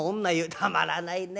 たまらないね。